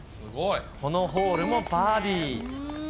このホールもバーディー。